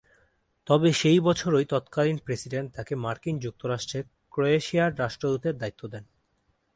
তবে সেই বছরই তৎকালীন প্রেসিডেন্ট তাকে মার্কিন যুক্তরাষ্ট্রে ক্রোয়েশিয়ার রাষ্ট্রদূতের দায়িত্ব দেন।